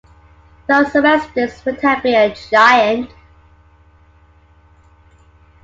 Thus Orestes would have been a Giant.